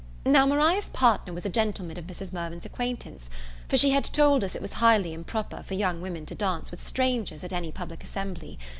Now Maria's partner was a gentleman of Mrs. Mirvan's acquaintance; for she had told us it was highly improper for young women to dance with strangers at any public assembly.